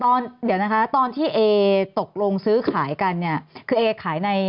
ตอนเดี๋ยวนะคะตอนที่เอตกลงซื้อขายกันเนี่ยคือเอขายใน